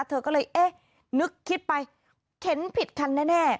เธอก็เลยเอ๊ะนึกคิดไปเข็นผิดคันแน่